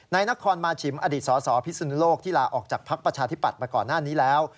นายนครมาชิมอดีตสสพิสุนุโลกที่ลาออกจากภักดิ์ประชาธิปัตย์มาก่อนหน้านี้แล้ว